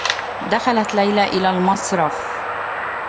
دخلت ليلى إلى المصرف.